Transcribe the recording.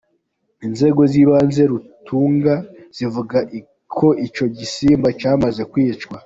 Inzego z’ibanze z’i Rutunga zivuga ko icyo gisimba cyamaze kwicwa.